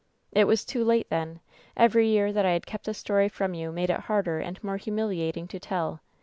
"It was too late then ! Every year that I had kept the story from you made it harder and more humiliating to tell.